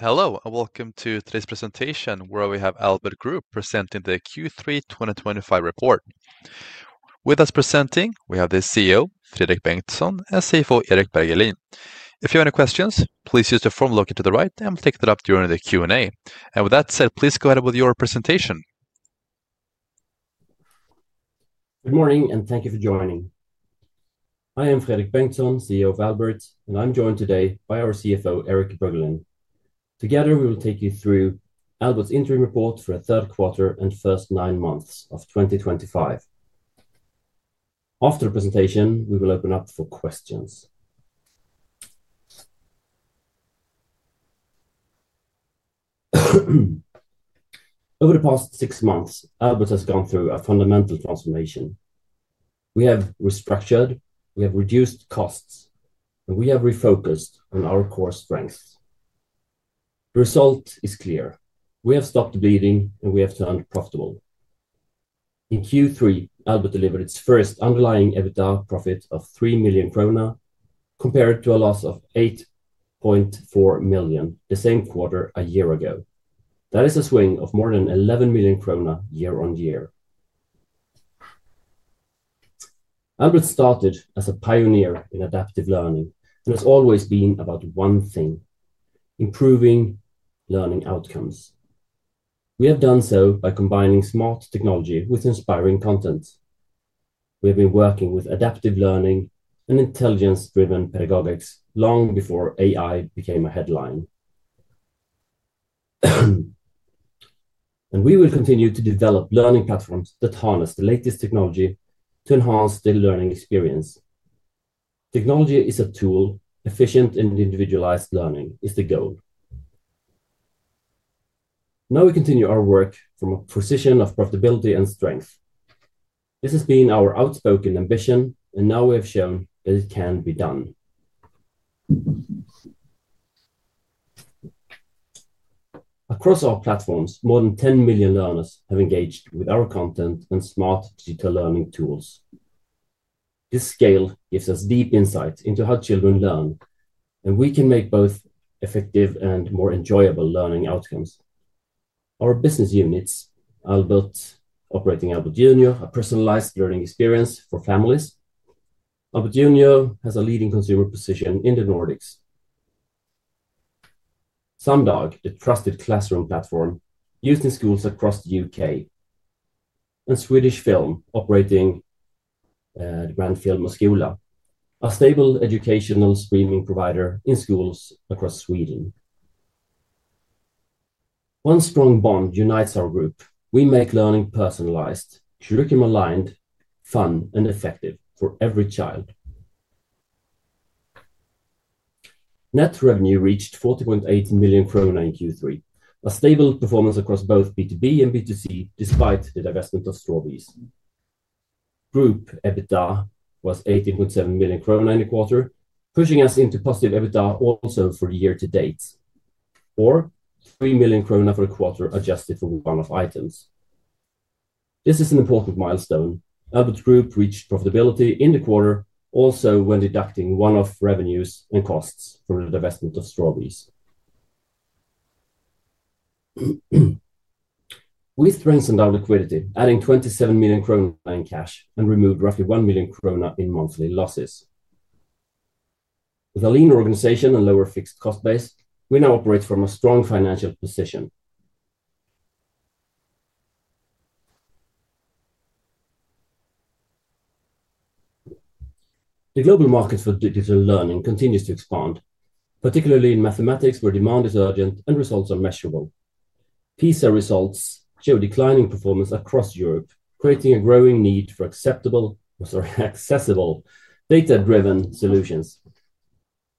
Hello, and welcome to today's presentation, where we have Albert Group presenting the Q3 2025 report. With us presenting, we have the CEO, Fredrik Bengtsson, and CFO, Erik Bergelin. If you have any questions, please use the form located to the right, and we'll take that up during the Q&A. With that said, please go ahead with your presentation. Good morning, and thank you for joining. I am Fredrik Bengtsson, CEO of Albert, and I'm joined today by our CFO, Erik Bergelin. Together, we will take you through Albert's interim report for the third quarter and first nine months of 2025. After the presentation, we will open up for questions. Over the past six months, Albert has gone through a fundamental transformation. We have restructured, we have reduced costs, and we have refocused on our core strengths. The result is clear: we have stopped bleeding, and we have turned profitable. In Q3, Albert delivered its first underlying EBITDA profit of 3 million krona, compared to a loss of 8.4 million the same quarter a year ago. That is a swing of more than 11 million krona year on year. Albert started as a pioneer in adaptive learning, and it's always been about one thing: improving learning outcomes. We have done so by combining smart technology with inspiring content. We have been working with adaptive learning and intelligence-driven pedagogics long before AI became a headline. We will continue to develop learning platforms that harness the latest technology to enhance the learning experience. Technology is a tool; efficient and individualized learning is the goal. Now we continue our work from a position of profitability and strength. This has been our outspoken ambition, and now we have shown that it can be done. Across our platforms, more than 10 million learners have engaged with our content and smart digital learning tools. This scale gives us deep insights into how children learn, and we can make both effective and more enjoyable learning outcomes. Our business units, Albert operating Albert Junior, a personalized learning experience for families. Albert Junior has a leading consumer position in the Nordics. Samdag, the trusted classroom platform used in schools across the U.K., and Swedish Film, operating the brand Film & Skola, are stable educational streaming providers in schools across Sweden. One strong bond unites our group. We make learning personalized, curriculum-aligned, fun, and effective for every child. Net revenue reached 40.8 million krona in Q3, a stable performance across both B2B and B2C, despite the divestment of Strawberry. Group EBITDA was 18.7 million krona in the quarter, pushing us into positive EBITDA also for the year to date, or 3 million krona for the quarter adjusted for one-off items. This is an important milestone. Albert Group reached profitability in the quarter, also when deducting one-off revenues and costs from the divestment of Strawberry. We strengthened our liquidity, adding 27 million kronor in cash and removed roughly 1 million kronor in monthly losses. With a lean organization and lower fixed cost base, we now operate from a strong financial position. The global market for digital learning continues to expand, particularly in mathematics, where demand is urgent and results are measurable. PISA results show declining performance across Europe, creating a growing need for accessible data-driven solutions.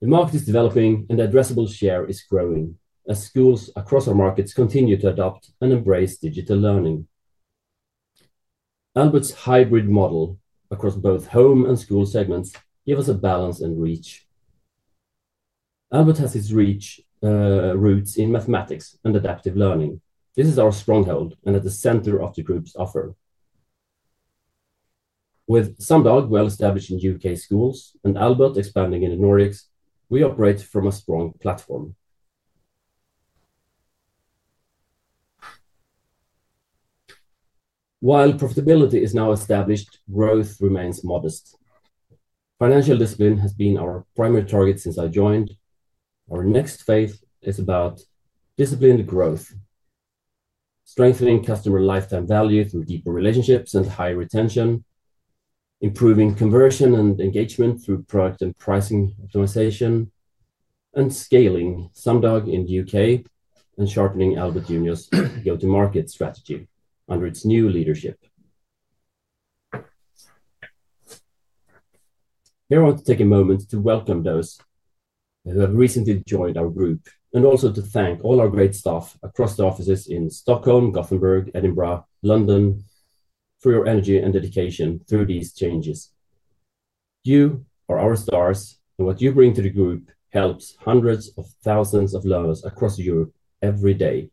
The market is developing, and the addressable share is growing as schools across our markets continue to adopt and embrace digital learning. Albert's hybrid model across both home and school segments gives us a balance and reach. Albert has its roots in mathematics and adaptive learning. This is our stronghold and at the center of the group's offer. With Samdag well-established in U.K. schools and Albert expanding in the Nordics, we operate from a strong platform. While profitability is now established, growth remains modest. Financial discipline has been our primary target since I joined. Our next phase is about disciplined growth, strengthening customer lifetime value through deeper relationships and high retention, improving conversion and engagement through product and pricing optimization, and scaling Samdag in the U.K. and sharpening Albert Junior's go-to-market strategy under its new leadership. Here I want to take a moment to welcome those who have recently joined our group, and also to thank all our great staff across the offices in Stockholm, Gothenburg, Edinburgh, London, for your energy and dedication through these changes. You are our stars, and what you bring to the group helps hundreds of thousands of learners across Europe every day.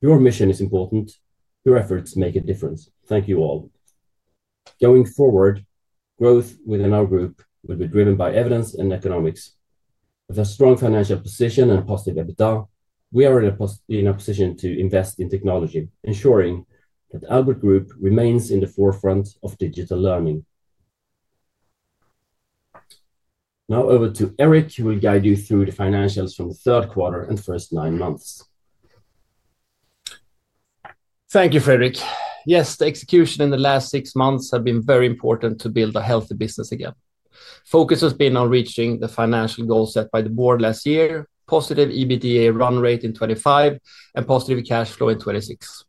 Your mission is important. Your efforts make a difference. Thank you all. Going forward, growth within our group will be driven by evidence and economics. With a strong financial position and positive EBITDA, we are in a position to invest in technology, ensuring that Albert Group remains in the forefront of digital learning. Now over to Erik, who will guide you through the financials from the third quarter and first nine months. Thank you, Fredrik. Yes, the execution in the last six months has been very important to build a healthy business again. Focus has been on reaching the financial goal set by the board last year, positive EBITDA run rate in 2025, and positive cash flow in 2026.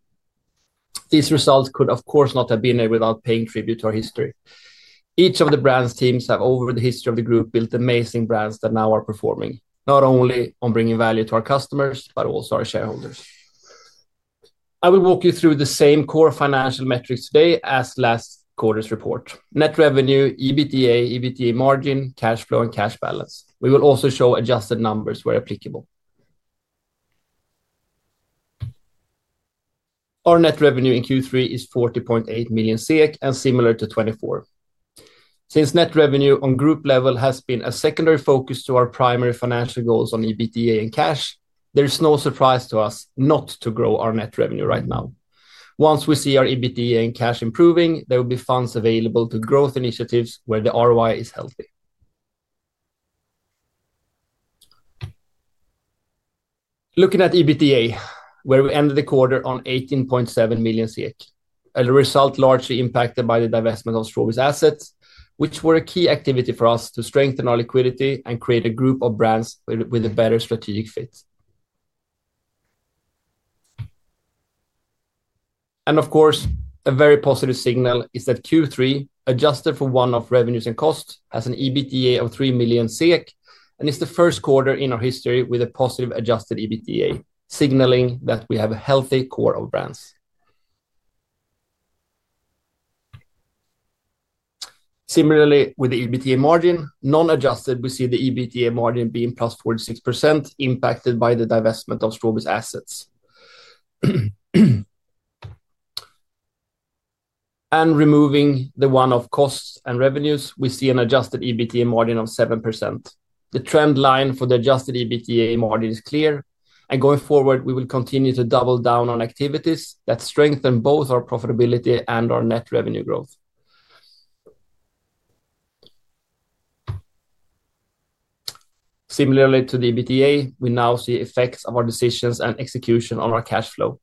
These results could, of course, not have been there without paying tribute to our history. Each of the brands' teams have, over the history of the group, built amazing brands that now are performing not only on bringing value to our customers, but also our shareholders. I will walk you through the same core financial metrics today as last quarter's report: net revenue, EBITDA, EBITDA margin, cash flow, and cash balance. We will also show adjusted numbers where applicable. Our net revenue in Q3 is 40.8 million SEK, and similar to 2024. Since net revenue on group level has been a secondary focus to our primary financial goals on EBITDA and cash, there is no surprise to us not to grow our net revenue right now. Once we see our EBITDA and cash improving, there will be funds available to growth initiatives where the ROI is healthy. Looking at EBITDA, where we ended the quarter on 18.7 million SEK, a result largely impacted by the divestment of Strawberry's assets, which were a key activity for us to strengthen our liquidity and create a group of brands with a better strategic fit. A very positive signal is that Q3, adjusted for one-off revenues and costs, has an EBITDA of 3 million SEK and is the first quarter in our history with a positive adjusted EBITDA, signaling that we have a healthy core of brands. Similarly, with the EBITDA margin, non-adjusted, we see the EBITDA margin being plus 46%, impacted by the divestment of Strawberry's assets. Removing the one-off costs and revenues, we see an adjusted EBITDA margin of 7%. The trend line for the adjusted EBITDA margin is clear, and going forward, we will continue to double down on activities that strengthen both our profitability and our net revenue growth. Similarly to the EBITDA, we now see effects of our decisions and execution on our cash flow.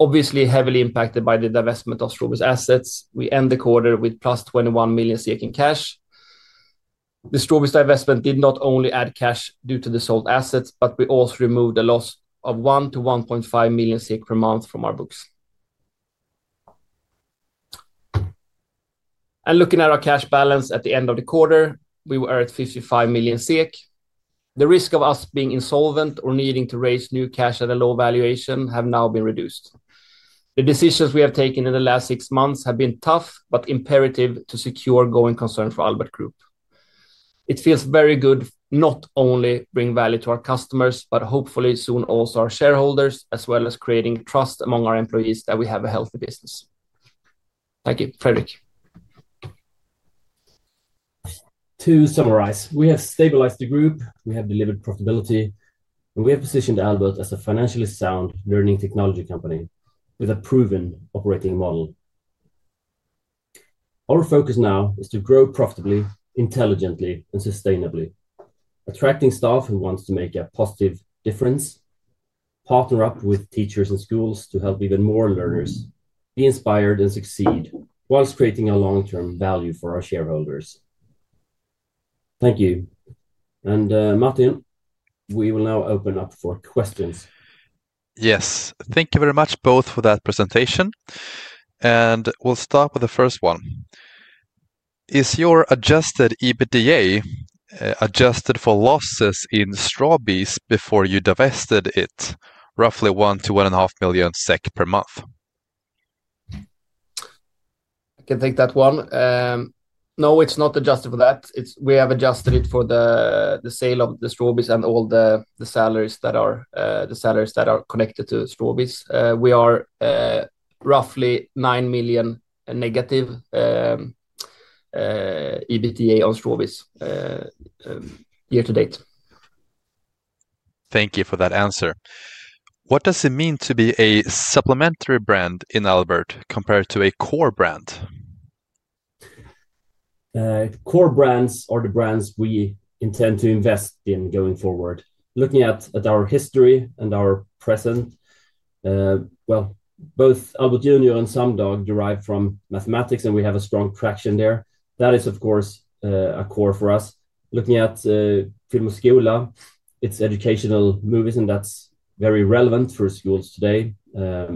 Obviously heavily impacted by the divestment of Strawberry's assets, we end the quarter with plus 21 million in cash. The Strawberry's divestment did not only add cash due to the sold assets, but we also removed a loss of 1-1.5 million per month from our books. Looking at our cash balance at the end of the quarter, we were at 55 million SEK. The risk of us being insolvent or needing to raise new cash at a low valuation has now been reduced. The decisions we have taken in the last six months have been tough, but imperative to secure going concern for Albert Group. It feels very good not only to bring value to our customers, but hopefully soon also our shareholders, as well as creating trust among our employees that we have a healthy business. Thank you, Fredrik. To summarize, we have stabilized the group, we have delivered profitability, and we have positioned Albert as a financially sound learning technology company with a proven operating model. Our focus now is to grow profitably, intelligently, and sustainably, attracting staff who want to make a positive difference, partner up with teachers and schools to help even more learners be inspired and succeed whilst creating a long-term value for our shareholders. Thank you. Martin, we will now open up for questions. Yes, thank you very much both for that presentation. We'll start with the first one. Is your adjusted EBITDA adjusted for losses in Strawberry before you divested it, roughly 1 million-1.5 million SEK per month? I can take that one. No, it's not adjusted for that. We have adjusted it for the sale of Strawberry and all the salaries that are connected to Strawberry. We are roughly 9 million negative EBITDA on Strawberry year to date. Thank you for that answer. What does it mean to be a supplementary brand in Albert compared to a core brand? Core brands are the brands we intend to invest in going forward. Looking at our history and our present, both Albert Junior and Samdag derive from mathematics, and we have a strong traction there. That is, of course, a core for us. Looking at Film & Skola, it's educational movies, and that's very relevant for schools today. I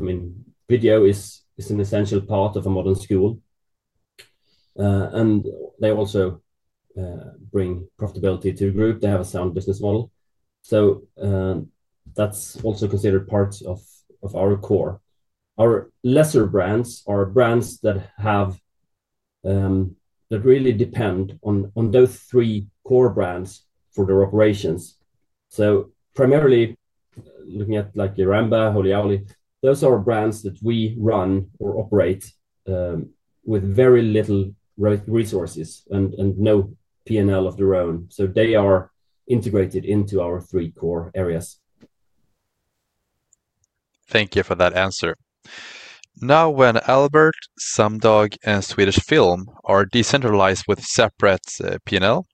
mean, video is an essential part of a modern school. They also bring profitability to the group. They have a sound business model. That is also considered part of our core. Our lesser brands are brands that really depend on those three core brands for their operations. Primarily looking at like Yeremba, Holyoly, those are brands that we run or operate with very little resources and no P&L of their own. They are integrated into our three core areas. Thank you for that answer. Now, when Albert, Samdag, and Swedish Film are decentralized with separate P&L,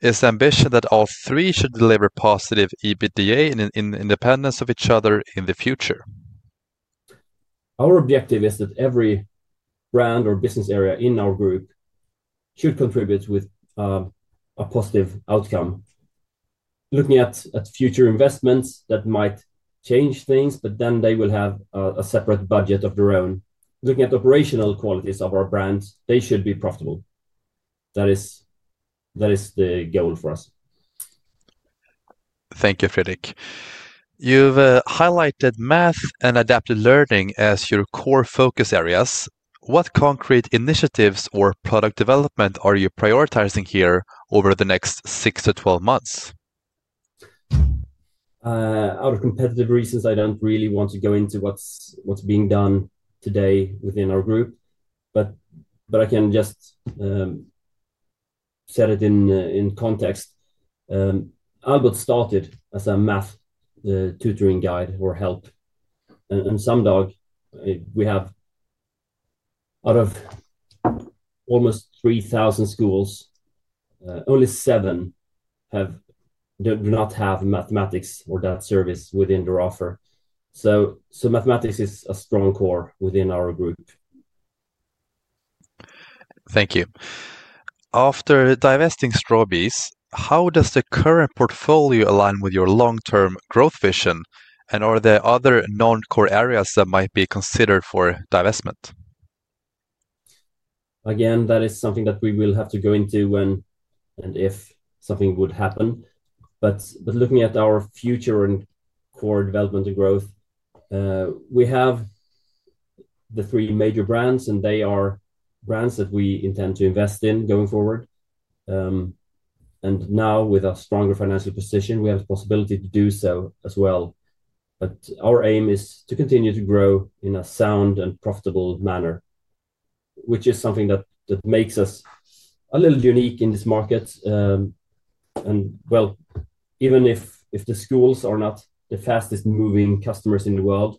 is the ambition that all three should deliver positive EBITDA in independence of each other in the future? Our objective is that every brand or business area in our group should contribute with a positive outcome. Looking at future investments that might change things, but then they will have a separate budget of their own. Looking at operational qualities of our brands, they should be profitable. That is the goal for us. Thank you, Fredrik. You've highlighted math and adaptive learning as your core focus areas. What concrete initiatives or product development are you prioritizing here over the next 6 to 12 months? Out of competitive reasons, I do not really want to go into what is being done today within our group, but I can just set it in context. Albert started as a math tutoring guide or help. In Samdag, we have out of almost 3,000 schools, only seven do not have mathematics or that service within their offer. Mathematics is a strong core within our group. Thank you. After divesting Strawberry, how does the current portfolio align with your long-term growth vision, and are there other non-core areas that might be considered for divestment? Again, that is something that we will have to go into when and if something would happen. Looking at our future and core development and growth, we have the three major brands, and they are brands that we intend to invest in going forward. Now, with a stronger financial position, we have the possibility to do so as well. Our aim is to continue to grow in a sound and profitable manner, which is something that makes us a little unique in this market. Even if the schools are not the fastest moving customers in the world,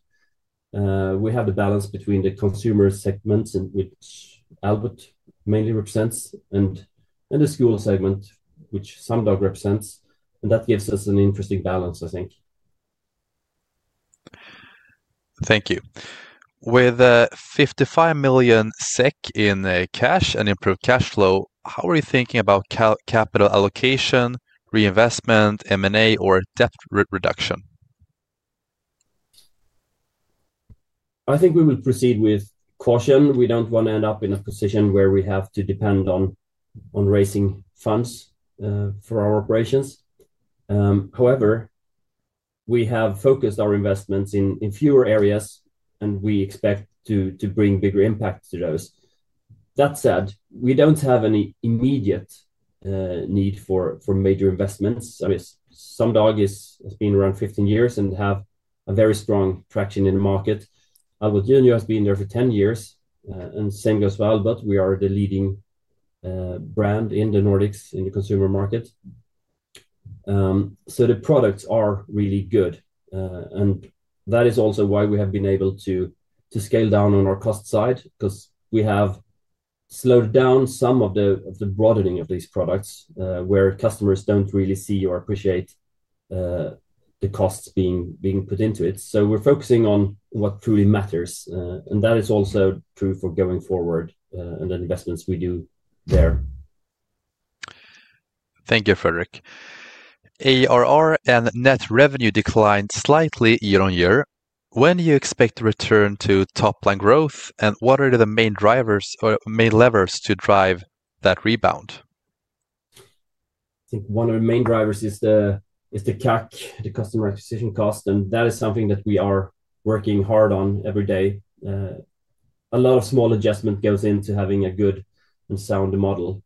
we have the balance between the consumer segments, which Albert mainly represents, and the school segment, which Samdag represents. That gives us an interesting balance, I think. Thank you. With 55 million SEK in cash and improved cash flow, how are you thinking about capital allocation, reinvestment, M&A, or debt reduction? I think we will proceed with caution. We don't want to end up in a position where we have to depend on raising funds for our operations. However, we have focused our investments in fewer areas, and we expect to bring bigger impact to those. That said, we don't have any immediate need for major investments. I mean, Samdag has been around 15 years and has a very strong traction in the market. Albert Junior has been there for 10 years, and same goes for Albert. We are the leading brand in the Nordics, in the consumer market. The products are really good. That is also why we have been able to scale down on our cost side, because we have slowed down some of the broadening of these products where customers don't really see or appreciate the costs being put into it. We're focusing on what truly matters. That is also true for going forward and the investments we do there. Thank you, Fredrik. ARR and net revenue declined slightly year on year. When do you expect to return to top-line growth, and what are the main drivers or main levers to drive that rebound? I think one of the main drivers is the CAC, the customer acquisition cost, and that is something that we are working hard on every day. A lot of small adjustment goes into having a good and sound model.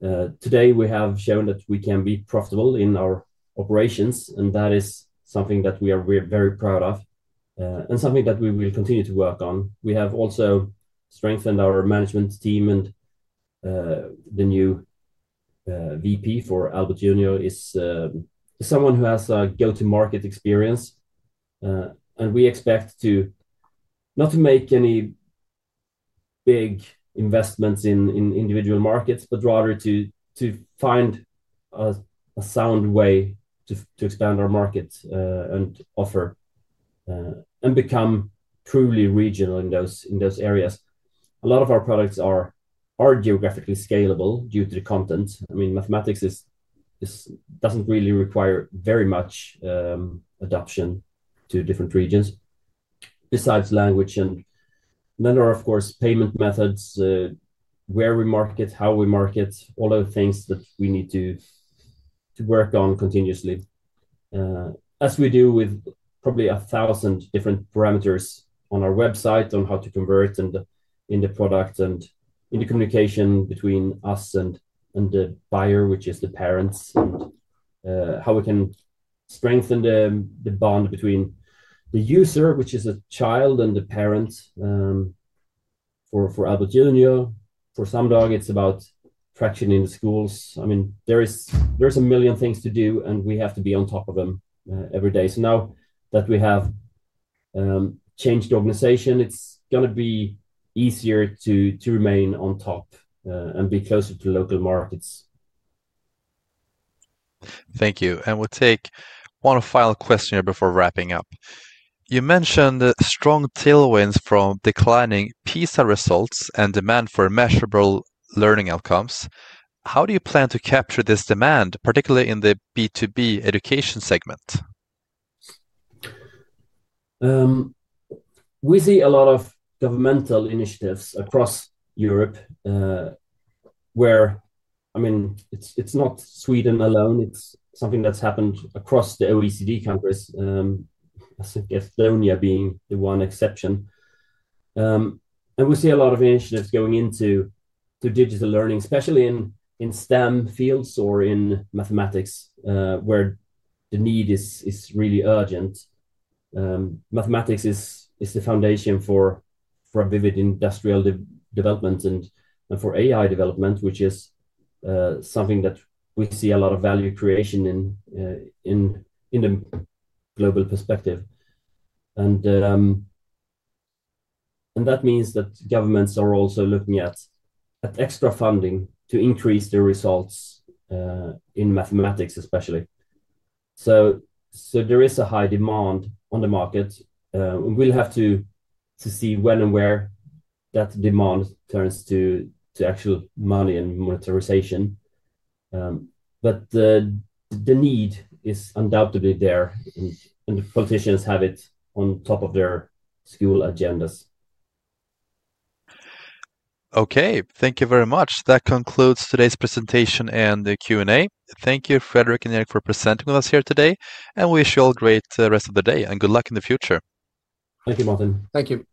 Today, we have shown that we can be profitable in our operations, and that is something that we are very proud of and something that we will continue to work on. We have also strengthened our management team, and the new VP for Albert Junior is someone who has a go-to-market experience. We expect not to make any big investments in individual markets, but rather to find a sound way to expand our market and offer and become truly regional in those areas. A lot of our products are geographically scalable due to the content. I mean, mathematics does not really require very much adoption to different regions besides language. There are, of course, payment methods, where we market, how we market, all the things that we need to work on continuously, as we do with probably 1,000 different parameters on our website on how to convert and in the product and in the communication between us and the buyer, which is the parents, and how we can strengthen the bond between the user, which is a child, and the parents. For Albert Junior, for Samdag, it's about traction in the schools. I mean, there's a million things to do, and we have to be on top of them every day. Now that we have changed organization, it's going to be easier to remain on top and be closer to local markets. Thank you. We will take one final question here before wrapping up. You mentioned strong tailwinds from declining PISA results and demand for measurable learning outcomes. How do you plan to capture this demand, particularly in the B2B education segment? We see a lot of governmental initiatives across Europe where, I mean, it's not Sweden alone. It's something that's happened across the OECD countries, Estonia being the one exception. We see a lot of initiatives going into digital learning, especially in STEM fields or in mathematics, where the need is really urgent. Mathematics is the foundation for vivid industrial development and for AI development, which is something that we see a lot of value creation in the global perspective. That means that governments are also looking at extra funding to increase their results in mathematics, especially. There is a high demand on the market. We'll have to see when and where that demand turns to actual money and monetization. The need is undoubtedly there, and politicians have it on top of their school agendas. Okay, thank you very much. That concludes today's presentation and the Q&A. Thank you, Fredrik and Erik, for presenting with us here today. We wish you all a great rest of the day and good luck in the future. Thank you, Martin. Thank you.